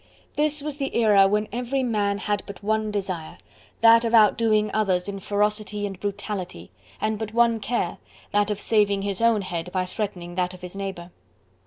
This was the era when every man had but one desire, that of outdoing others in ferocity and brutality, and but one care, that of saving his own head by threatening that of his neighbour.